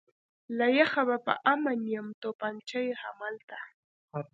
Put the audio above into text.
له یخه به په امان یم، تومانچه یې همالته.